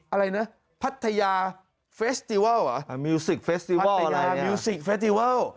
อะไรนะพัทยาเฟสติวัลพัทยามิวสิกเฟสติวัล